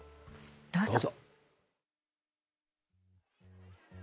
どうぞ。